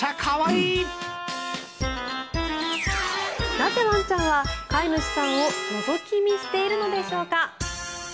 なぜワンちゃんは飼い主さんをのぞき見しているのでしょうか。